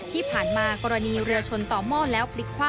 ที่ผ่านมากรณีเรือชนต่อหม้อแล้วพลิกคว่ำ